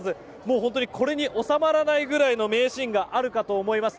本当にこれに収まらないぐらいの名シーンがあると思います。